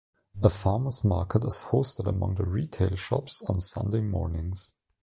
A farmer's market is hosted among the retail shops on Sunday mornings.